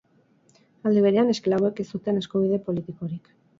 Aldi berean, esklaboek ez zuten eskubide politikorik.